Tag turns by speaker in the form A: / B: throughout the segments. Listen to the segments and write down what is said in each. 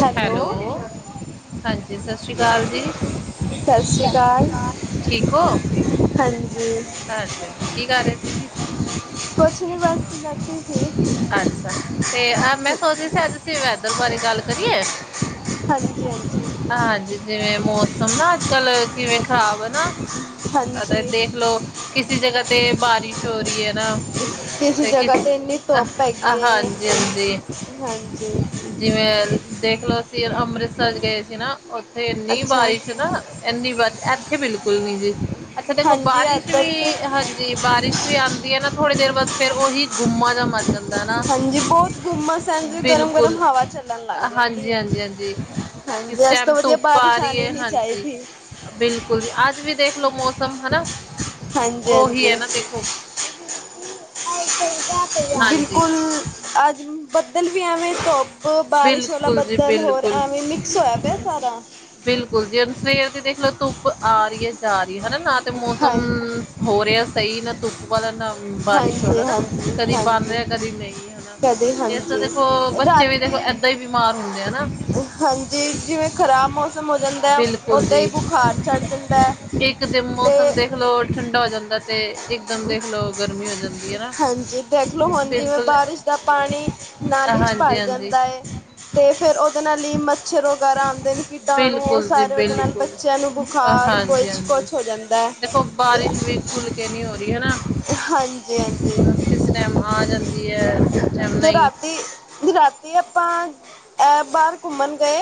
A: Hello.
B: ਹਾਂਜੀ, ਸਤਿ ਸ਼੍ਰੀ ਅਕਾਲ ਜੀ।
A: ਸਤਿ ਸ੍ਰੀ ਅਕਾਲ।
B: ਠੀਕ ਹੋ?
A: ਹਾਂਜੀ
B: ਹਾਂਜੀ ਕੀ ਕਰ ਰਹੇ ਸੀ ਜੀ?
A: ਕੁੱਛ ਨਹੀਂ ਬਸ ਬੇਠੀ ਸੀ
B: ਅੱਛਾ ਤੇ ਮੈਂ ਸੋਚਦੀ ਸੀ ਅੱਜ ਅਸੀ ਵੈਦਰ ਬਾਰੇ ਗੱਲ ਕਰੀਏ
A: ਹਾਂਜੀ ਹਾਂਜੀ
B: ਹਾਂਜੀ ਜਿਵੇਂ ਮੌਸਮ ਨਾ ਅੱਜ ਕੱਲ ਕਿਵੇਂ ਹੈ, ਵੋ ਨਾ,
A: ਹਾਂਜੀ
B: ਦੇਖਲੋ ਕਿਸੇ ਜਗ੍ਹਾ ਤੇ ਬਾਰਿਸ਼ ਹੋ ਰਹੀ ਹੈ।
A: ਕਿਸੇ ਜਗ੍ਹਾ ਤੇ ਇੰਨੀ ਧੁੱਪ ਹੈਗੀ ਏ
B: ਹਾਂਜੀ- ਹਾਂਜੀ।
A: [unintelligible]
B: ਜਿਵੇਂ ਦੇਖਲਉ, ਅਸੀਂ ਅੰਮ੍ਰਿਤਸਰ ਗਏ ਸੀ ਨਾ, ਉੱਥੇ ਇੰਨੀ
A: ਅੱਛਾ
B: ਬਾਰਿਸ਼ ਨਾ ਇੰਨੀ, ਇੱਥੇ ਬਿਲਕੁਲ ਨੀ ਜੀ, ਅੱਛਾ ਦੇਖੋ
A: ਹਾਂਜੀ
B: ਬਾਰਿਸ਼
A: ਇੱਧਰ
B: ਵੀ,
A: ਤੇ
B: ਹਾਂਜੀ। ਤੇ ਬਾਰਿਸ਼ ਵੀ ਆਉਂਦੀ ਹੈ ਨਾ, ਥੋੜੀ ਦੇਰ ਬਾਅਦ ਫਿਰ ਉਹੀ ਗੁੰਮਾ ਜਾ ਬਣ ਜਾਂਦਾ ਹੈ ਨਾ।
A: ਹਾਂਜੀ, ਬਹੁਤ ਗੁੰਮਸ ਐ ਜੀ ਗਰਮ -ਗਰਮ
B: ਬਿਲਕੁਲ
A: ਹਵਾ ਚੱਲਣ ਲੱਗ ਜਾਂਦੀ
B: ਹਾਂਜੀ
A: ਹੈ।
B: ਹਾਂਜੀ ਹਾਂਜੀ
A: ਹਾਂਜੀ, ਇਸ
B: ਟਾਈਮ
A: ਤੋਂ ਵਧੀਆ
B: ਧੁੱਪ ਆ
A: ਬਾਰਿਸ਼
B: ਰਹੀ
A: ਆਉਣੀ
B: ਹੈ
A: ਨੀ
B: ਹਾਂਜੀ
A: ਚਾਹੀਦੀ।
B: ਬਿਲਕੁਲ, ਅੱਜ ਵੀ ਦੇਖਲਉ ਮੌਸਮ ਹਨਾ,
A: ਹਾਂਜੀ
B: ਉਹੀ
A: ਹਾਂਜੀ
B: ਹੈ ਨਾ ਦੇਖੋ। ਹਾਂਜੀ
A: ਬਿਲਕੁਲ ਅੱਜ ਬੱਦਲ਼ ਵੀ ਐਵੇਂ ਧੁੱਪ ਬਾਰਿਸ਼ ਵਾਲਾ
B: ਬਿਲਕੁਲ ਜੀ
A: ਬੱਦਲ, ਹੋਰ
B: ਬਿਲਕੁਲ
A: ਐਵੇਂ ਮਿਕਸ ਹੋਇਆ ਪਿਆ ਸਾਰਾ।
B: ਬਿਲਕੁਲ ਜੀ, ਹੁਣ ਸਵੇਰ ਦੀ ਦੇਖ ਲੋ ਧੁੱਪ ਆ ਰਹੀ ਐ, ਜਾ ਰਹੀ ਐ, ਹਨਾ ਨਾ ਤੇ ਮੌਸਮ
A: ਹਾਂਜੀ
B: ਹੋ ਰਿਹਾ ਸਹੀ ਨਾ ਧੁੱਪ ਵਾਲ ਨਾ ਬਾਰਿਸ਼ ਹੋ
A: ਹਾਂਜੀ ਹਾਂਜੀ
B: ਕਦੀ ਬਣ
A: ਹਾਂਜੀ
B: ਰਿਹਾ ਕਦੀ ਨਹੀਂ ਹਨਾ,
A: ਕਦੇ
B: ਇਸ ਤਰ੍ਹਾਂ
A: ਹਾਂਜੀ
B: ਦੇ ਦੇਖੋ ਬੱਚੇ ਵੀ ਦੇਖੋ
A: ਰਾਤੀ
B: ਏਦਾਂ ਹੀ ਬਿਮਾਰ ਹੁੰਦੇ ਆ ਹੈਨਾ।
A: ਹਾਂਜੀ ਜਿਵੇਂ ਖ਼ਰਾਬ ਮੌਸਮ ਹੋ ਜਾਂਦਾ
B: ਬਿਲਕੁਲ
A: ਉੱਦਾਂ ਹੀ
B: ਜੀ
A: ਬੁਖਾਰ ਚੜ੍ਹ ਜਾਂਦਾ ਤੇ
B: ਚਲੋ ਠੰਡਾ ਹੋ ਜਾਂਦਾ ਤੇ ਇੱਕਦਮ ਦੇਖ ਲਓ ਗਰਮੀ ਹੋ ਜਾਂਦੀ ਹੈ ਨਾ
A: ਹਾਂਜੀ ਦੇਖਲੋ ਹੁਣ ਜਿਵੇਂ
B: ਬਿਲਕੁਲ
A: ਬਾਰਿਸ਼ ਦਾ ਪਾਣੀ ਨਾਲੀ ਚ
B: ਹਾਂਜੀ
A: ਭਰ
B: ਹਾਂਜੀ
A: ਜਾਂਦਾ ਹੈ ਤੇ ਫਿਰ ਉਹਦੇ ਨਾਲ ਹੀ ਮੱਛਰ ਵਗੈਰਾ ਆਉਂਦੇ ਨੇ ਕੀਟਾਣੂਂ ਬਹੁੱਤ
B: ਬਿਲਕੁਲ ਜੀ
A: ਸਾਰੇ ਉਹਦੇ ਨਾਲ
B: ਬਿਲਕੁਲ
A: ਬੱਚਿਆਂ ਨੂੰ
B: ਅ,
A: ਬੁਖਾੱਰ ਕੁਝ
B: ਹਾਂਜੀ ਹਾਂਜੀ
A: ਕੁੱਛ ਹੋ ਜਾਂਦਾ ਹੈ ਤੇ
B: ਭੁੱਲ ਕੇ ਨਹੀਂ ਹੋ ਰਹੀ ਹਨਾ
A: ਹਾਂਜੀ ਹਾਂਜੀ
B: ਬਸ ਕਿਸ ਟਾਈਮ ਆ ਜਾਂਦੀ ਹੈ ਟਾਈਮ
A: ਤੇ
B: ਨਹੀਂ
A: ਰਾਤੀ ਰਾਤੀ ਆਪਾਂ ਅ ਬਾਹਰ ਘੁੰਮਣ ਗਏ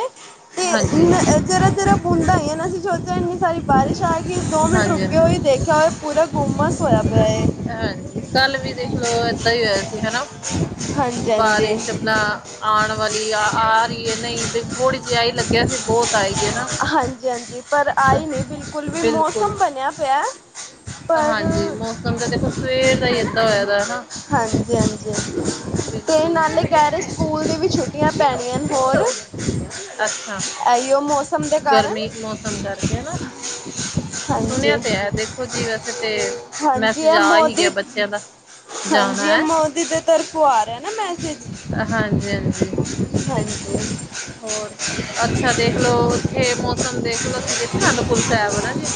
A: ਤੇ
B: ਹਾਂਜੀ
A: ਜਿਹੜਾ ਜਿਹੜਾ ਬੂੰਦਾ ਹੀ ਹੈ ਨਾ ਅਸੀਂ ਸੋਚਿਆ ਇੰਨੀ ਸਾਰੀ ਬਾਰਿਸ਼ ਆ ਗਈ ਦੋ ਮਿੰਟ
B: ਹਾਂਜੀ
A: ਰੁਕੇ ਹੋਏ
B: ਹਾਂਜੀ
A: ਦੇਖਿਆ ਹੋਇਆ ਪੂਰਾ ਗੁੰਮਸ ਹੋਇਆ ਪਿਆ ਹੈ
B: ਹਾਂਜੀ ਕੱਲ ਵੀ ਦੇਖਲੋ ਏਦਾਂ ਹੀ ਹੋਇਆ ਸੀ ਹਨਾ
A: ਹਾਂਜੀ ਹਾਂਜੀ
B: ਬਾਰਿਸ਼ ਆਪਣਾ ਆਉਣ ਵਾਲੀ ਆ ਆ ਰਹੀ ਹੈ ਨਹੀਂ ਥੋੜ੍ਹੀ ਜਿਹੀ ਆਹੀ ਲੱਗਿਆ ਸੀ ਬਹੁਤ ਆਏਗੀ ਨਾ
A: ਹਾਂਜੀ ਹਾਂਜੀ ਪਰ ਆਈ ਨਹੀਂ ਬਿਲਕੁੱਲ ਵੀ
B: ਬਿਲਕੁਲ
A: ਮੌਸਂਮ ਬਣਿਆ ਪਿਆ ਪਰ
B: ਹਾਂਜੀ ਮੌਸਮ ਦਾ ਦੇਖੋ ਸਵੇਰ ਦਾ ਹੀ ਏਦਾਂ ਹੋਇਆ ਹਨਾ
A: ਹਾਂਜੀ ਹਾਂਜੀ ਅਤੇ
B: ਬਿਲਕੁਲ
A: ਨਾਲੇ
B: ਬਿਲਕੁਲ।
A: ਕਹਿ ਰਹੇ ਸਕੂਲ ਦੀ ਵੀ ਛੁੱਟੀਆਂ ਪੈਣੀਆਂ ਨੇ ਹੋਰ
B: ਅੱਛਾ
A: ਇਹੀ ਮੌਸਮ ਦੇ ਕਾਰਨ
B: ਕੰਮ ਕਰਕੇ ਹਨਾ ਸੁਣਿਆ
A: ਹਾਂਜੀ
B: ਤੇ ਹੈ ਦੇਖੋ ਜੀ ਵੈਸੇ ਤੇ
A: ਹਾਂਜੀ
B: ਮੈਸੇਜ
A: ਇਹ
B: ਆ ਹੀ ਗਿਆ
A: ਮੋਦੀ
B: ਬੱਚਿਆਂ ਦਾ
A: ਹਾਂਜੀ
B: ਜਾਣਾ
A: ਇਹ
B: ਹੈ
A: ਮੋਦੀ ਦੇ ਤਰਫੋਂ ਆ ਰਿਹਾ ਨਾ ਮੈਸੇਜ
B: ਹਾਂਜੀ ਹਾਂਜੀ
A: ਹਾਂਜੀ
B: ਬਿਲਕੁਲ ਹੋਰ ਅੱਛਾ ਦੇਖਲੋ ਉੱਥੇ ਮੌਸਮ ਦੇਖਲੋ ਸੀਗੇ ਸੀ ਅਨੰਦਪੁਰ ਸਾਹਿਬ ਹਾਂਜੀ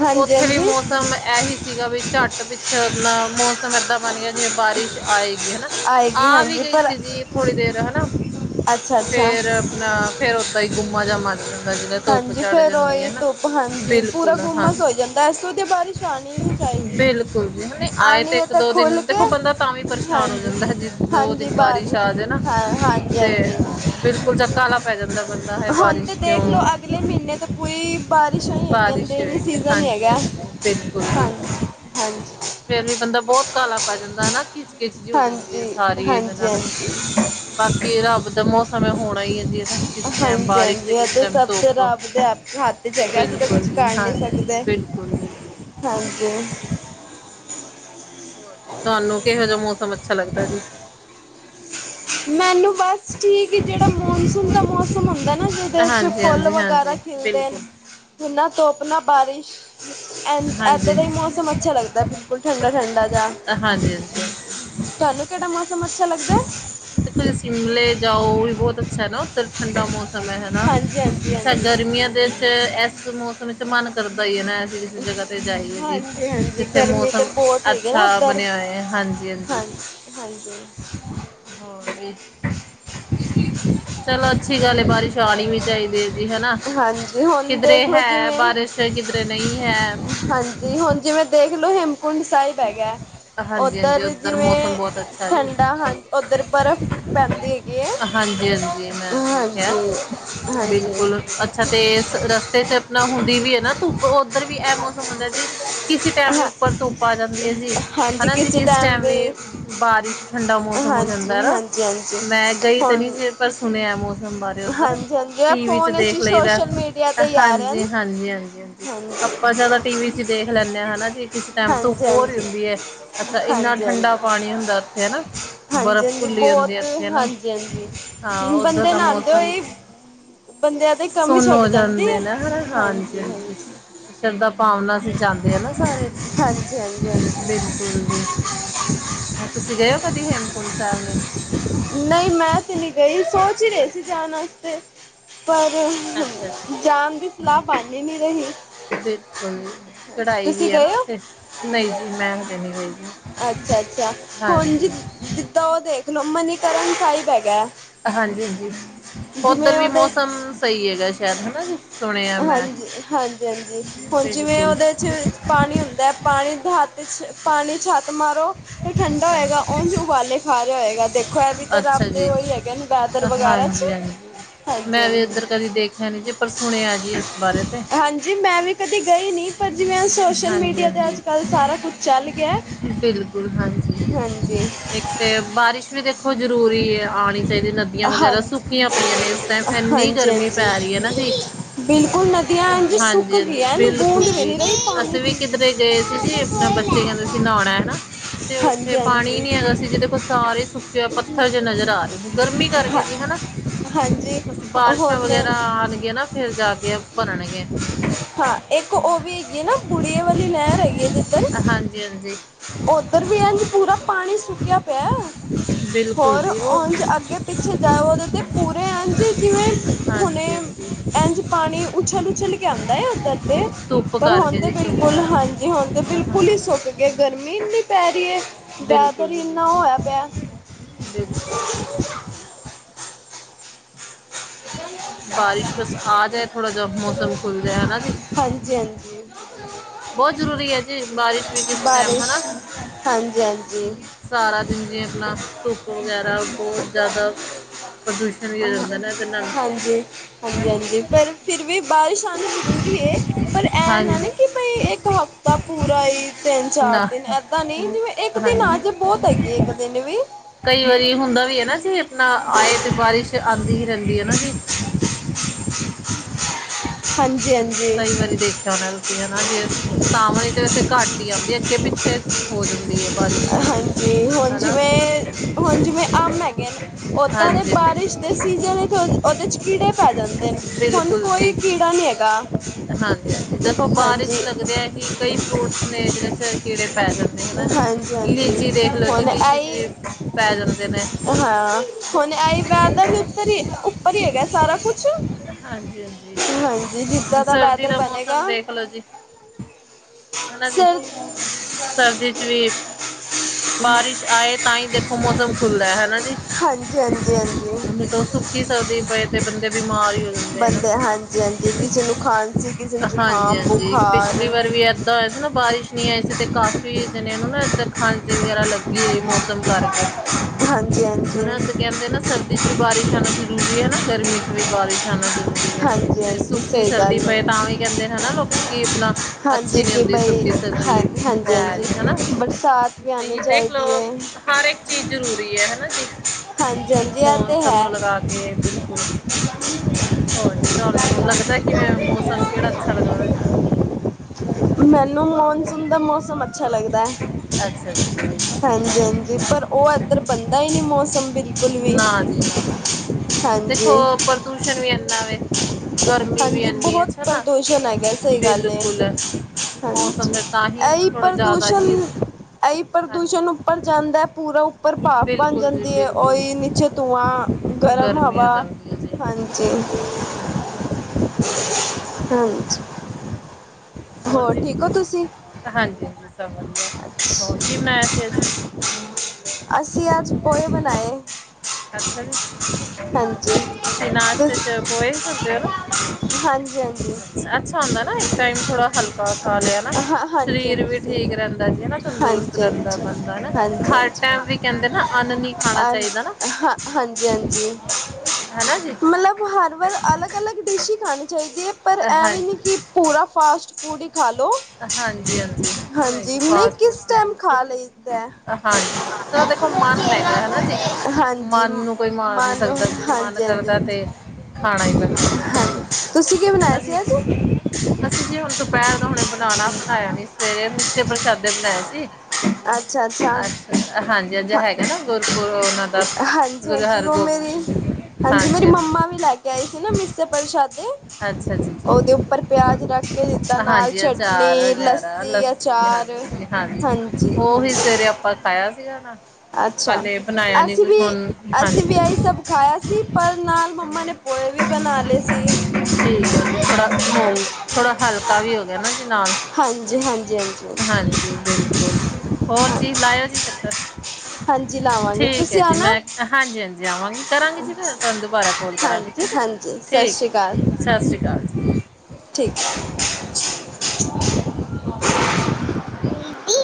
A: ਹਾਂਜੀ
B: ਉੱਥੇ ਵੀ
A: ਹਾਂਜੀ
B: ਮੌਸਮ ਇਹੀ ਸੀਗਾ ਵੀ ਝੱਟ ਪਿੱਛੇ ਮੌਸਮ ਏਦਾਂ ਬਣ ਗਿਆ ਜਿਵੇਂ ਬਾਰਿਸ਼ ਆਏਗੀ ਹਨਾ
A: ਆਏਗੀ
B: ਆ ਵੀ
A: ਹਾਂਜੀ
B: ਗਈ
A: ਪਰ
B: ਸੀ ਜੀ ਥੋੜੀ ਦੇਰ ਹਨਾ
A: ਅੱਛਾ ਅੱਛਾ
B: ਫਿਰ ਆਪਣਾ ਫਿਰ ਓਦਾਂ ਹੀ ਗੁੰਮਾ ਜਾ ਬਣ ਜਾਂਦਾ ਜਿਦਾ ਧੁੱਪ
A: ਹਾਂਜੀ
B: ਚੜ
A: ਫਿਰ
B: ਜਾਂਦੀ
A: ਉਹੀ
B: ਹੈ ਨਾ
A: ਧੁੱਪ ਹਾਂਜੀ ਪੂਰਾ
B: ਬਿਲਕੁੱਲ ਹਾਂਜੀ
A: ਗੁੰਮਸ ਹੋ ਜਾਂਦਾ ਇਸ ਦੇ ਬਾਰਿਸ਼ ਆਣੀ ਨਹੀਂ ਚਾਹੀਦੀ
B: ਬਿਲਕੁੱਲ ਜੀ ਹੁਨ ਆਏ
A: ਆਣੀ
B: ਤੇ
A: ਹੈ
B: ਇੱਕ
A: ਤਾਂ
B: ਦੋ ਦਿਨ
A: ਖੁੱਲ ਕੇ
B: ਦੇਖੋ ਬੰਦਾ ਤਾਂ ਵੀ ਪਰੇਸ਼ਾਨ ਹੋ
A: ਹਾਂਜੀ
B: ਜਾਂਦਾ ਹੈ ਜੀ ਦੋ
A: ਹਾਂਜੀ
B: ਦਿਨ ਬਾਰਿਸ਼ ਆਜੇ ਨਾ
A: ਹਾਂ ਹਾਂਜੀ
B: ਤੇ
A: ਹਾਂਜੀ
B: ਬਿਲਕੁੱਲ ਜਾ ਕਾਹਲਾ ਪੈ ਜਾਂਦਾ ਬੰਦਾ ਹੈ
A: ਹੁਣ ਤੇ
B: ਬਾਰਿਸ਼ ਕਿਉਂ
A: ਦੇਖ ਲਓ ਅਗਲੇ ਮਹੀਨੇ ਤਾਂ ਕੋਈ ਬਾਰਿਸ਼ਾਂ ਹੀ ਹੈਗੀਆਂ ਨੇ
B: ਬਾਰਿਸ਼
A: ਰੇਨੀ
B: ਹੋਏਗੀ
A: ਸੀਜ਼ਨ ਹੀ
B: ਹਾਂਜੀ
A: ਹੈਗਾ
B: ਹਾਂਜੀ ਬਿਲਕੁਲ ਜੀ
A: ਹਾਂਜੀ ਹਾਂਜੀ
B: ਫੇਰ ਵੀ ਬੰਦਾ ਬਹੁਤ ਕਾਲਾ ਪੈ ਜਾਂਦਾ ਹਨਾ ਖਿਚ ਖਿਚ ਜਿ ਹੋ ਜਾਂਦੀ ਹੈ
A: ਹਾਂਜੀ
B: ਸਾਰੀ ਇਹਦੇ
A: ਹਾਂਜੀ
B: ਨਾਲ
A: ਹਾਂਜੀ
B: ਬਾਕੀ ਰੱਬ ਦਾ ਮੌਸਮ ਹੈ ਹੋਣਾ ਈ ਹੈ ਜੀ ਕਿਸ ਟਾਈਮ
A: ਹਾਂਜੀ
B: ਬਾਰਿਸ਼ ਤੇ
A: ਹਾਂਜੀ ਇਹ
B: ਕਿਸ
A: ਤਾਂ
B: ਟਾਈਮ
A: ਸਭ ਤੇ
B: ਧੁੱਪ
A: ਰੱਬ ਦੇ ਆਪ ਹੱਥ 'ਚ ਹੈਗਾ ਅਸੀਂ ਤਾਂ
B: ਬਿਲਕੁਲ
A: ਕੁਝ
B: ਜੀ
A: ਕਰ ਨਹੀਂ
B: ਹਾਂਜੀ
A: ਸਕਦੇ
B: ਬਿਲਕੁ ਹਜੀ
A: ਹਾਂਜੀ
B: ਹੋ ਜੀ ਤੁਹਾਨੂੰ ਕਿਹੋ ਜਿਹਾ ਮੌਸਮ ਅੱਛਾ ਲੱਗਦਾ ਜੀ
A: ਮੈਨੂੰ ਬਸ ਠੀਕ ਜਿਹੜਾ ਮੌਨਸੂਨ ਦਾ ਮੌਸਮ ਹੁੰਦਾ ਨਾ ਜਿਹਦੇ ਚ
B: ਹਾਂਜੀ
A: ਫੁੱਲ
B: ਹਾਂਜੀ ਹਾਂਜੀ
A: ਵਗੈਰਾ ਸਡਨ
B: ਬਿਲਕੁਲ
A: ਨਾ ਧੁੱਪ ਨਾ ਬਾਰਿਸ਼ ਇੱਦਾ
B: ਹਾਂਜੀ
A: ਦਾ ਹੀ ਮੌਸਮ ਅੱਛਾ ਲੱਗਦਾ ਬਿਲਕੁਲ ਠੰਡਾ- ਠੰਡਾ ਜਾ
B: ਹਾਂਜੀ -ਹਾਂਜੀ ਹ
A: ਤੁਹਾਨੂੰ ਕਿਹੜਾ ਮੌਸਮ ਅੱਛਾ ਲੱਗਦਾ ਹੈ
B: ਸ਼ਿਮਲੇ ਜਾਓ ਵੀ ਬਹੁਤ ਅੱਛਾ ਹੈ ਨਾ ਉੱਧਰ ਠੰਡਾ ਮੌਸਮ ਹੈ ਹਨਾ,
A: ਹਾਂਜੀ ਹਾਂਜੀ
B: ਅੱਛਾ
A: ਹਾਂਜੀ
B: ਗਰਮੀਆਂ ਦੇ ਇਸ ਮੌਸਮ ਵਿੱਚ ਮਨ ਕਰਦਾ ਹੀ ਹੈ ਨਾ ਕਿਸੇ ਜਗਾ ਤੇ ਜਾਈਏ ਜੀ
A: ਹਾਂਜੀ ਹਾਂਜੀ
B: ਜਿੱਥੇ
A: ਗਰਮੀ ਤੇ
B: ਮੌਸਮ
A: ਬਹੁਤ ਹੈਗੀ ਨਾ
B: ਅੱਛਾ
A: ਇੱਧਰ
B: ਬਣਿਆ ਹੋਇਆ ਹਾਂਜੀ -ਹਾਂਜੀ।
A: ਹਾਂਜੀ
B: ਹਾਂਜੀ, ਚਲੋ ਅੱਛੀ ਗੱਲ ਬਾਰਿਸ਼ ਆਣੀ ਵੀ ਚਾਹੀਦੀ ਹਨਾ,
A: ਹਾਂਜੀ ਹੁਣ
B: ਕਿਧਰੇ
A: ਦੇਖਲੋ
B: ਹੈ
A: ਜਿਵੇਂ
B: ਬਾਰਿਸ਼ ਕਿਧਰੇ ਨਹੀਂ ਹੈ
A: ਹਾਂਜੀ, ਹੁਣ ਜਿਵੇਂ ਦੇਖਲੋ ਹੇਮਕੁੰਡ ਸਾਹਿਬ ਹੈਗਾ
B: ਹਾਂਜੀ ਹਾਂਜੀ
A: ਓਧਰ
B: ਉੱਧਰ ਮੌਸਮ
A: ਜਿਵੇਂ,
B: ਬਹੁਤ ਅੱਛਾ ਜੀ
A: ਠੰਡਾ ਹਾਂ ਉੱਧਰ ਬਰਫ਼ ਪੈਂਦੀ ਹੈਗੀ ਹੈ।
B: ਹਾਂਜੀ- ਹਾਂਜੀ ਮੈਂ ਦੇਖਿਆ,
A: ਹਾਂਜੀ ਹਾਂਜੀ।
B: ਬਿਲਕੁਲ ਅੱਛਾ ਤੇ ਰਸਤੇ ਚ ਆਪਣਾ ਹੁੰਦੀ ਵੀ ਹੈ ਨਾ ਧੁੱਪ ਇਧਰ ਵੀ ਇਹ ਮੌਸਮ ਹੁੰਦਾ ਜੀ ਕਿਸੇ ਟਾਈਮ
A: ਹਾਂ
B: ਉੱਪਰ ਤੋਂ ਪਾ ਜਾਂਦੀ ਹੈ ਜੀ ਹਨਾ ਜੀ ਕਿਸ ਟਾਈਮ ਵੀ ਬਾਰਿਸ਼ ਠੰਡਾ ਮੌਸਮ ਹੋ ਜਾਂਦਾ
A: ਹਾਂਜੀ
B: ਹਨਾ
A: ਹਾਂਜੀ ਹਾਂਜੀ।
B: ਮੈਂ ਗਈ ਤਾਂ ਨਹੀਂ
A: ਹੁਣ
B: ਸੀ ਪਰ ਸੁਣਿਆ ਮੌਸਮ ਬਾਰੇ ਤੇ ਉਧਰ,
A: ਹਾਂਜੀ ਹਾਂਜੀ ਇਹ
B: ਟੀਵੀ ਚ
A: ਫੋਨ ਵਿੱਚ
B: ਦੇਖ ਲਈ ਦਾ
A: ਸੋਸ਼ਲ ਮੀਡੀਆ ਤੇ ਹੀ ਆ ਰਹੇ ਹਨ।
B: ਹਾਂਜੀ- ਹਾਂਜੀ -ਹਾਂਜੀ। ਆਪਾਂ ਜਿਆਦਾ ਟੀ ਵੀ ਚ ਦੇਖ ਲੈਂਦੇ ਹਾਂ ਹਨਾ ਜੀ ਕਿਸ
A: ਹਾਂਜੀ
B: ਧੁੱਪ ਹੋ ਰਹੀ
A: ਹਾਂਜੀ
B: ਹੁੰਦੀ ਹੈ, ਅੱਛਾ ਇੰਨਾ
A: ਹਾਂਜੀ
B: ਠੰਡਾ
A: ਹਾਂਜੀ।
B: ਪਾਣੀ ਹੁੰਦਾ ਉੱਥੇ ਹਨਾ
A: ਹਾਂਜੀ
B: ਬਰਫ਼
A: ਹਾਂਜੀ
B: ਭੁੱਲੀ ਹੁੰਦੀ ਹੈ
A: ਬਹੁਤ
B: ਇੱਥੇ ਹਨਾ,
A: ਹਾਂਜੀ ਹਾਂਜੀ।
B: ਹਾਂ ਉਧਰ
A: ਬੰਦੇ
B: ਦਾ
A: ਨਹਾਉਂਦੇ
B: ਮੌਸਮ
A: ਹੋਏ ਬੰਦਿਆਂ ਤੇ ਕਮੀ
B: ਸੁੰਨ ਹੋ
A: ਛੁੱਟ ਜਾਂਦੀ
B: ਜਾਂਦੇ
A: ਹੈ
B: ਨੇ ਹਨਾ ਹਾਂਜੀ- ਹਾਂਜੀ। ਸ਼ਰਧਾ ਭਾਵਨਾ ਅਸੀਂ ਜਾਂਦੇ ਹਾਂ ਨਾ ਸਾਰੇ
A: ਹਾਂਜੀ- ਹਾਂਜੀ -ਹਾਂਜੀ।
B: ਹਾਂਜੀ, ਤੁਸੀਂ ਗਏ ਹੋ ਕਦੀ ਹੇਮਕੁੰਡ ਸਾਹਿਬ ਨੇ
A: ਨਹੀਂ ਮੈਂ ਤਾਂ ਨਹੀਂ ਗਈ, ਸੋਚ ਹੀ ਰਹੀ ਸੀ
B: ਅੱਛਾ
A: ਜਾਣ ਵਾਸਤੇ, ਪਰ
B: ਅੱਛਾ ਜੀ
A: ਜਾਣ ਦੀ ਸਲਾਹ ਬਣ ਨੀ ਰਹੀ
B: ਬਿਲਕੁਲ ਜੀ ਚੜਾਈ
A: ਤੁਸੀਂ
B: ਵੀ ਹੈ ਨਾ
A: ਗਏ ਹੋ
B: ਉੱਥੇ, ਨਹੀਂ ਜੀ ਮੈਂ ਤੇ ਨੀ ਗਈ ਜੀ
A: ਅੱਛਾ- ਅੱਛਾ ਹੁਣ ਜ
B: ਹਾਂਜੀ
A: ਜਿੱਦਾਂ ਉਹ ਦੇਖ ਲੋ ਮਨੀਕਰਨ ਸਾਹਿਬ ਹੈਗਾ
B: ਹਾਂਜੀ -ਹਾਂਜੀ ਉਧਰ
A: ਜਿਵੇਂ
B: ਵੀ
A: ਉਹਦੇ
B: ਮੌਸਮ ਸਹੀ ਹੈਗਾ ਸ਼ਾਇਦ ਹਨਾ ਜੀ ਸੁਣਿਆ ਮੈਂ
A: ਹਾਂਜੀ -ਹਾਂਜੀ- ਹਾਂਜੀ ਹੁਣ ਜਿਵੇਂ
B: ਬਿਲਕੁਲ
A: ਉਹਦੇ ਚ ਪਾਣੀ ਹੁੰਦਾ, ਪਾਣੀ ਹੱਥ 'ਚ ਪਾਣੀ 'ਚ ਹੱਥ ਮਾਰੋ ਫਿਰ ਠੰਡਾ ਹੋਏਗਾ ਉਂਝ ਉਬਾਲੇ ਖਾ ਰਿਹਾ ਹੋਏਗਾ ਦੇਖ ਖ ਵੀ ਤੇ
B: ਅੱਛਾ
A: ਰੱਬ ਦੇ
B: ਜੀ
A: ਹੋ ਹੀ ਹੈਗੇ ਨੇ ਵੈਦਰ ਵਗੈਰਾ ਚ
B: ਹਾਂਜੀ ਹਾਂਜੀ
A: [unintelligible]
B: ਮੈਂ ਵੀ
A: ਹਾਂਜੀ,
B: ਇੱਧਰ ਕਦੀ ਦੇਖਿਆ ਨੀ ਜੀ ਪਰ ਸੁਣਿਆ ਜੀ ਉਸ ਬਾਰੇ ਤੇ
A: ਹਾਂਜੀ, ਮੈਂ ਵੀ ਕਦੇ ਗਈ ਨੀ ਪਰ ਜਿਵੇਂ ਸੋਸ਼ਲ
B: ਹਾਂਜੀ
A: ਮੀਡੀਆ ਤੇ
B: ਹਾਂਜੀ
A: ਅੱਜ ਕੱਲ੍ਹ ਸਾਰਾ ਕੁਛ ਚੱਲ ਗਿਆ
B: ਬਿਲਕੁਲ ਹਾਂਜੀ
A: ਹਾਂਜੀ,
B: ਇੱਕ ਤੇ ਬਾਰਿਸ਼ ਵੀ ਦੇਖੋ ਜ਼ਰੂਰੀ ਹੈ ਆਉਣੀ ਚਾਹੀਦੀ ਨਦੀ ਨਦੀਆਂ ਵਗੈਰਾ
A: ਹਾਂਜੀ,
B: ਸੁੱਕੀਆਂ ਪਈਆਂ ਨੇ ਇਸ ਟਾਈਮ ਇੰਨੀ
A: ਹਾਂਜੀ,
B: ਗਰਮੀ
A: ਹਾਂਜੀ
B: ਪੈ ਰਹੀ ਹੈ ਨਾ ਜੀ।
A: ਬਿਲਕੁਲ ਨਦੀਆਂ ਇੰਝ ਸੁੱਕ
B: ਹਾਂਜੀ ਹਾਂਜੀ
A: ਗਈਆਂ ਬੂੰਦ
B: ਬਿਲਕੁਲ
A: ਵੀ
B: ਜੀ
A: ਨਹੀਂ ਰਹੀ ਪਾਣੀ
B: ਅਸੀਂ ਵੀ
A: ਦੀ
B: ਕਿਧਰੇ ਗਏ ਸੀ ਜੀ ਆਪਣੇ ਬੱਚੇ ਕਹਿੰਦੇ ਸੀ ਨਹਾਉਣਾ ਹੈ ਨਾ ਤੇ ਉੱਥੇ ਪਾਣੀ
A: ਹਾਂਜੀ, ਹਾਂਜੀ
B: ਨੀ ਹੈਗਾ ਸੀ ਜਿਹਦੇ ਕੋ ਸਾਰੇ ਸੁ [unintelligible] ਪੱਥਰ ਜੇ ਨਜ਼ਰ ਆ ਰਹੇ ਸੀ ਗਰਮੀ ਕਰਕੇ
A: ਹਾਂ
B: ਜੇ ਹਨਾ।
A: ਹਾਂਜੀ
B: ਅੱਛ ਬਾਰਿਸ਼ਾਂ
A: ਹੁਣ
B: ਵਗੈਰਾ ਆਉਣਗੀਆਂ ਨਾ ਫਿਰ ਜਾ ਕੇ ਭਰਨਗੇ
A: ਹਾਂ ਇੱਕ ਉਹ ਵੀ ਹੈਗੀ ਹੈ ਨਾ ਬੁੜੀ ਵਾਲੀ ਲਹਿਰ ਹੈਗੀ ਐ
B: ਹਾਂਜੀ-ਹਾਂਜੀ।
A: ਉਧਰ ਵੀ ਇੰਝ ਪੂਰਾ ਪਾਣੀ ਸੁਕਿਆ ਪਿਆ
B: ਬਿਲਕੁਲ
A: ਹੋਰ
B: ਜੀ ਉਹ
A: ਉੰਝ ਅੱਗੇ ਪਿੱਛੇ ਜਾਉ ਉਹਦੇ ਤੇ ਪੂਰੇ ਇੰਜ ਜਿਵੇਂ ਹੁਣੇ
B: ਹਾਂਜੀ- ਹਾਂਜੀ।
A: ਇੰਝ ਪਾਣੀ ਉਛਲ -ਉਛਲ ਕੇ ਆਉਂਦਾ ਹੈ ਉਧਰ ਤੇ,
B: ਧੁੱਪ
A: ਪਰ ਹੁਣ
B: ਕਰਕੇ ਜੀ
A: ਤੇ
B: ਧੁੱਪ
A: ਬਿਲਕੁਲ
B: ਕਰਕੇ
A: ਹਾਂਜੀ ਹੁਣ ਤੇ
B: ਹਾਂ
A: ਬਿਲਕੁਲ ਹੀ ਸੁੱਕ ਗਏ ਗਰਮੀ ਇੰਨੀ ਪੈ ਰਹੀ ਹੈ।
B: ਬਿਲਕੁਲ
A: ਵੈਦਰ
B: ਜੀ
A: ਇਨਾ
B: ਬਿਲਕੁਲ
A: ਹੋਇਆ ਪਿਆ
B: ਬਿਲਕੁਲ ਬਾਰਿਸ਼ ਬਸ ਆ ਜਾਏ ਥੋੜਾ ਜਿਹਾ ਮੌਸਮ ਖੁੱਲ ਜਾਏ ਹਨ ਨਾ ਜੀ
A: ਹਾਂਜੀ ਹਾਂਜੀ
B: ਬਹੁਤ ਜ਼ਰੂਰੀ ਹੈ ਜੀ ਬਾਰਿਸ਼ ਵੀ ਕਿਸੇ ਟਾਈਮ
A: ਬਾਰਿਸ਼
B: ਹਨਾ
A: ਹਾਂਜੀ ਹਾਂਜੀ
B: ਸਾਰਾ ਦਿਨ ਜਿਵੇ ਆਪਣਾ ਧੁੱਪ ਵਗੈਰਾ ਬਹੁਤ ਜ਼ਿਆਦਾ ਪ੍ਰਦੂਸ਼ ਹੋ ਜਾਂਦਾ ਨਾ ਇਹਦੇ ਨਾਲ
A: ਹਾਂਜੀ ਹਾਂਜੀ ਹਾਂਜੀ ਪਰ ਫਿਰ ਵੀ ਬਾਰਿਸ਼ ਆ
B: ਖਾਲੀ [unintelligible]
A: ਪਰ ਇਹ ਨਾ ਨਾ ਕਿ ਬਈ ਇੱਕ ਹਫ਼ਤਾ ਪੂਰਾ ਈ ਤਿੰਨ ਚਾਰ
B: ਨਾ
A: ਦਿਨ ਏਦਾਂ ਨ ਜਿਵੇਂ ਇੱਕ ਦਿਨ
B: ਹਾਂਜੀ
A: ਆਜੇ ਬਹੁਤ ਹੈਗੀ ਇੱਕ ਦਿਨ ਵੀ
B: ਕਈ ਵਾਰੀ ਹੁੰਦਾ ਵੀ ਹੈ ਨਾ ਜੀ ਆਪਣਾ ਆਏ ਤੇ ਬਾਰਿਸ਼ ਆਂਦੀ ਹੀ ਰਹਿੰਦੀ ਹੈ ਨਾ ਜੀ
A: ਹਾਂਜੀ ਹਾਂ
B: ਕਈ ਵਾਰੀ ਦੇਖਿਆ ਹੋਣਾ ਤੁਸੀਂ ਹਨਾ ਜੇ ਸਾਵਣ ਚ ਤਾਂ ਵੈਸੇ ਘੱਟ ਹੀ ਆਉਂਦੀ ਅੱਗੇ ਪਿੱਛੇ ਹੋ ਜਾਂਦੀ ਹੈ ਬਾਰਿਸ਼ ਪਹਿਲੇ
A: ਹਾਂਜੀ ਹੁਣ
B: ਹਨਾ
A: ਜਿਵੇਂ ਹੁਣ ਜਿਵੇਂ ਆਮ ਮ ਓਦਾਂ ਦੇ
B: ਹਾਂਜੀ ਹਾਂਜੀ
A: ਬਾਰਿਸ਼ ਦੇ ਸੀਜ਼ਨ ਉਹਦੇ ਚ ਕੀੜੇ ਪੈ ਜਾਂ ਹੁਣ
B: ਬਿਲਕੁਲ
A: ਕੋਈ
B: ਜੀ
A: ਕੀੜਾ ਨੀ ਹੈਗਾ
B: ਹਾਂਜੀ ਹਾਂਜੀ ਦੇਖੋ ਬਾਰਿਸ਼
A: ਹਾਂਜੀ
B: ਲੱਗਦਿਆਂ ਹੀ ਕਈ ਫਰੂਟਸ ਨੇ ਜਿਹਨਾਂ ਚ ਕੀੜੇ ਪੈ ਜਾਂਦੇ ਹਨਾ
A: ਹਾਂਜੀ
B: ਜੀ
A: ਹਾਂਜੀ
B: ਲੀਚੀ ਦੇਖਲੋ ਜੀ
A: ਹੁਣ
B: ਲੀਚੀ ਚ
A: ਇਹੀ
B: ਵੀ ਪੈ ਜਾਂਦੇ ਨੇ।
A: ਹਾਂ ਹੁਣ ਆਈ ਵੈਦਰ ਦੇ ਉੱ ਉੱਪਰ ਹੀ ਹੈਗਾ ਸਾਰਾ ਕੁਛ
B: ਹਾਂਜੀ ਹਾਂਜੀ
A: ਹਾਂਜੀ ਜਿੱਦਾਂ
B: ਸਰਦੀ
A: ਵੈਦਰ
B: ਦਾ
A: ਬਣੇਗਾ
B: ਮੌਸਮ ਦੇਖਲੋ ਜੀ ਹਨਾ ਜੀ
A: ਸਰ
B: ਸਰਦੀ ਚ ਵੀ ਬਾਰਿਸ਼ ਆਏ ਤਾਂ ਹੀ ਦੇਖੋ ਮੌਸਮ ਖੁੱਲਦਾ ਹੈ ਹਨਾ ਜੀ
A: ਹਾਂਜੀ ਹਾਂਜੀ ਹਾਂਜੀ
B: ਸੁੱਕੀ ਸਕਦੀ ਪਏ ਤੇ ਬੰਦੇ ਬਿਮਾਰ ਹੀ ਹੋ ਜਾਂਦੇ ਆ ਨਾ
A: ਬੰਦੇ ਹਾਂਜੀ ਹਾਂਜੀ ਕਿਸੇ ਨੂੰ ਖਾਂਸੀ ਕਿਸੇ ਨੂੰ ਜ਼ੁਕਾਮ ਬੁਖਾਰ
B: ਦ ਹੋਇਆ ਸੀ ਨਾ ਬਾਰਿਸ਼ ਨੀ ਆ ਸੀ ਤੇ ਕਾਫੀ ਜਣੇ ਨੂੰ ਨਾ ਇਰ ਖਾਂਸੀ ਵਗੈਰਾ ਲੱਗੀ ਹੋਈ ਮੌਸਮ ਕਰਕੇ।
A: ਹਾਂਜੀ ਹਾਂਜੀ
B: ਹਨਾ ਤੇ ਕਹਿੰਦੇ ਨਾ ਸਰਦੀ ਚ ਵੀ ਬਾਰਿਸ਼ ਆਉਣਾ ਜ਼ਰੂਰੀ ਹੈ ਨਾ ਗਰਮੀ ਚ ਵੀ ਬਾਰਿਸ਼ ਆਣਾ ਜ਼ਰੂਰੀ ਹੈ
A: ਹਾਂਜੀ
B: ਫਿਰ
A: ਹਾਂਜੀ
B: ਸੁੱਕੀ
A: ਸਹੀ
B: ਸਰਦੀ
A: ਗੱਲ
B: ਪਏ
A: ਹੈ
B: ਤਾਂ ਵੀ ਕਹਿੰਦੇ ਹਨਾ ਲੋਕੀ ਕੀ ਆਪਨਾ ਅੱਛੀ
A: ਹਾਂਜੀ
B: ਨੀ
A: ਕਿ
B: ਹੁੰਦੀ
A: ਬਈ
B: ਸੁੱਕੀ ਸਰਦੀ
A: ਹਾਂ ਹਾਂਜੀ
B: ਪੈ
A: ਹਾਂਜੀ
B: ਰਹੀ ਹੈਨਾ
A: ਬਰਸਾਤ ਵੀ
B: ਹੀ
A: ਆਉਣੀ
B: ਦੇਖਲੋ
A: ਚਾਹੀਦੀ ਹੈ
B: ਹਰ ਇੱਕ ਚੀਜ਼ ਜ਼ਰੂਰੀ ਹੈ ਹੈਨਾ ਜੀ
A: ਹਾਂਜੀ ਹਾਂਜੀ ਐਹ ਤੇ
B: ਮੌਸਮ
A: ਹੈ
B: ਲਗਾ ਕੇ ਹੋਵੇ [unintelligible] ਲੱਗਦਾ ਕਿਵੇਂ ਮੌਸਮ ਕਿਹੜਾ ਅੱਛਾ ਲੱਗਦਾ ਹੋਏ
A: ਮੈਨੂੰ ਮੌਨਸੂਨ ਦਾ ਮੌਸਮ ਅੱਛਾ ਲੱਗਦਾ ਐ
B: ਅੱਛਾ ਅੱਛਾ
A: ਪਰ ਉਹ ਇੱਧਰ ਬਣਦਾ ਹੀ ਨੀ ਮੌਸਮ ਵ [unintelligible] ਕੁੁਲਵੀ
B: ਨਾ ਜੀ
A: ਹਾਂਜੀ
B: ਦੂਸ਼ਣ ਵੀ ਇੰਨਾ ਵੇ ਗਰਮੀ ਵੀ
A: ਹਾਂਜੀ
B: ਇੰਨੀ ਹੈ
A: ਬਹੁਤ
B: ਅੱਛਾ ਨਾ
A: ਪ੍ਰਦੂਸ਼ਣ ਹੈ ਗਿਆ ਸਹੀ ਗੱਲ ਏ
B: ਬਿਲਕੁਲ
A: ਹਾਂਜੀ
B: ਮੌਸਮ ਹੈ ਤਾਂ ਹੀ
A: ਐਹੀ
B: ਥੋੜ੍ਹਾ ਜ਼ਿਆਦਾ
A: ਪ੍ਰਦੂਸ਼ਣ
B: ਹੀ
A: ਇਹੀ ਪ੍ਰਦੂਸ਼ਣ
B: ਹਾਂਜੀ
A: ਉੱਪਰ ਜਾਂਦਾ ਹੈ ਪੂਰਾ ਉੱਪਰ ਭਾਫ ਬਣ
B: ਬਿਲਕੁਲ ਜੀ
A: ਜਾਂਦੀ ਹੈ
B: ਬਿਲਕੁਲ
A: ਓੁਹੀ ਨਿ ਚ ਧੂੰਆਂ ਗਰਮ
B: ਗਰਮੀ ਹੋ
A: ਹਵਾ
B: ਜਾਂਦੀ ਹੈ ਜੀ
A: ਹਾਂਜੀ ਹਮ [unintelligible]
B: ਹੋਰ ਜੀ
A: ਹੋ ਤੁਸੀਂ
B: ਹਾਂਜੀ ਹਾਂਜੀ ਸਭ ਵਧੀਆ ਹੋਰ
A: ਅੱਛਾ
B: ਕੀ ‌ ਬਣਾਇਆ ਸੀ ਅੱਜ
A: ਅਸੀਂ ਅੱਜ ਪੋਹੇ ਬਣਾਏ
B: ਅੱਛਾ ਜੀ
A: ਹਾਂਜੀ
B: ਤੁਸੀਂ ਨਾਸ਼ਤੇ ਚ ਪੋਹੇ ਹੀ ਕਰਦੇ ਹੋ ਨਾ
A: ਹਾਂਜੀ ਹਾਂਜੀ
B: ਅੱਛਾ ਹੁੰਦਾ ਨਾ ਇੱਕ ਟਾਈਮ ਥੋੜਾ ਹਲਕਾ ਲਿਆ ਹਨਾ
A: ਹਾਂ ਹਾਂਜੀ
B: ਸਰੀਰ
A: ਹਾਂਜੀ
B: ਵੀ
A: ਸਹੀ
B: ਠੀਕ
A: ਗੱਲ
B: ਰਹਿੰਦਾ ਜੀ, ਹੈ ਨਾ ਤੰਦਰੁਸਤ
A: ਹਾਂਜੀ
B: ਰਹਿੰਦਾ
A: ਹਾਂਜੀ ਹਾਂਜੀ
B: ਬੰਦਾ ਹਨਾ ਹ
A: ਹਾਂਜੀ
B: ਟਮ ਵੀ ਕਹਿੰਦੇ ਨਾ ਅੰਨ ਨੀ ਖਾਣਾ
A: ਹਾਂ
B: ਚਾਹੀਦਾ ਨਾ।
A: ਹਾਂਜੀ ਹਾਂਜੀ
B: ਹੈਨਾ ਜੀ,
A: ਮਤਲਬ ਹਰ ਵਾਰ ਅਲੱਗ ਅਲੱਗ ਡਿਸ਼ ਹੀ ਖਾਣੀ ਚਾਹੀਦੀ ਹੈ ਪਰ ਐ ਵੀ ਨਹੀਂ
B: ਹਾਂਜੀ
A: ਕਿ ਪੂਰਾ ਫਾਸਟ ਫੂਡ ਹੀ ਖਾਲੋ,
B: ਹਾਂਜੀ ਹਾਂਜੀ ਫਾਸਟ ਫੂਡ
A: ਕਿਸ
B: ਤਾਂ
A: ਟਾਈਮ ਖਾ
B: ਬਿਲਕੁਲ
A: ਲਈਦਾ
B: ਹਾਂਜੀ ਹ ਚਲੋ ਦੇਖੋ ਮਨ ਹੈਗਾ ਜੀ ਹਨਾ ਜੀ
A: ਹਾਂਜੀ
B: ਮਨ ਨੂੰ ਕੋਈ ਮਾਰ ਨੀ
A: ਮਨ
B: ਸਕਦਾ ਜੀ ਮਨ
A: ਹਾਂਜੀ ਹਾਂਜੀ
B: ਕਰਦਾ
A: ਹਾਂਜੀ
B: ਤੇ ਖਾਣਾ ਹੀ ਬੰਦਾ
A: ਹਾਂਜੀ ਤੁਸੀਂ ਕੀ ਬਣਾਇਆ ਸੀ। ਅੱਜ-
B: ਅੱਛ ਜੀ ਹੁਣ ਦੁਪਹਿਰ ਹੁਣੇ ਬਣਾਉਣਾ ਬਣਾਇਆ ਨੀ ਸਵੇਰੇ ਮੀਸੇ ਪ੍ਰਸ਼ਾਦੇ ਬਣਾਏ ਸੀ। ਅੱਛਾ ਹਾਂਜੀ ਅੱਜ
A: ਹਾਂ
B: ਹੈਗਾ ਨਾ ਗੁਰਪੁਰਬ ਉਹਨਾਂ ਦਾ
A: ਹਾਂਜੀ
B: ਗੁਰੂ
A: ਹਾਂਜੀ ਉਹ
B: ਹਰਗੋਬਿੰਦ
A: ਮੇਰੀ
B: ਸਿੰਘ ਜੀ ਦਾ
A: ਹਾਂਜੀ ਮੇਰੀ ਮੰਮਾ ਵੀ ਲ ਆਏ ਸੀ ਨਾ ਮਿਲਣ ਪ੍ਰਸ਼ਾਦੇ
B: ਅੱਛਾ ਜੀ
A: ਉਹਦੇ
B: ਜੀ
A: ਉੱਪਰ ਪਿਆਜ ਰੱਖ ਕੇ ਦਿੱਤਾ ਨਾਲ
B: ਚਾਰ
A: ਚਟਨੀ,
B: ਵਗੈਰਾ ਲੱਸੀ
A: ਅਚਾਰ
B: ਹਾਂਜੀ ਹਾਂਜੀ ਉਹੀ
A: ਹਾਂਜੀ-ਹਾਂਜੀ
B: ਸਵੇਰੇ ਆਪਾਂ ਖਾਇਆ ਸੀਗਾ ਨਾ
A: ਅੱਛਾ
B: ਹਾਲੇ ਬਣਾਇਆ ਨੀ
A: ਅਸੀਂ
B: ਕੁਛ
A: ਵੀ
B: ਹੁਣ
A: ਅਸੀਂ ਵੀ ਇਹੀ
B: ਹਾਂਜੀ
A: ਸਭ ਖਾਇਆ ਸੀ। ਪਰ ਨਾਲ ਮੰਮਾ ਨੇ ਪੋਏ ਵੀ ਬਣਾ ਲਏ ਸੀ।
B: ਠੀਕ ਹੈ ਜੀ ਥੋੜਾ
A: ਹਾਂਜੀ।
B: ਥੋੜਾ ਹਲਕਾ ਵੀ ਹੋ ਗਿਆ ਨਾ ਜੀ ਨਾਲ
A: ਹਾਂਜੀ-ਹਾਂਜੀ-ਹਾਂਜੀ-ਹਾਂਜੀ,
B: ਹਾਂਜੀ ਬਿਲਕੁਲ
A: ਹਾਂਜੀ।
B: ਹੋਰ ਜੀ
A: ਹਾਂਜੀ ਹਾਂ
B: ਲਾਇਓ ਜੀ।
A: ਹਾਂਜੀ ਲਾਵਾਂਗੇ
B: ਠੀਕ ਹੈ
A: ਤੁਸੀਂ
B: ਜੀ।
A: ਆਣਾ
B: ਮੈਂ ਹਾਂਜੀ ਹਾਂਜੀ ਆਵਾਂਗੀ ਕਰਾਂਗੀ ਜੀ ਫੇਰ ਤੁਹਾਨੂੰ ਦੁਬਾਰਾ ਕਰਾਂਗੇ ਠੀਕ ਹੈ
A: ਹਾਂਜੀ-ਹਾਂਜੀ ਸਤਿ
B: ਠੀਕ
A: ਸ਼੍ਰੀ ਅਕਾਲ
B: ਸਤਿ ਸ੍ਰੀ ਅਕਾਲ ਜੀ।
A: ਠੀਕ ਹੈ।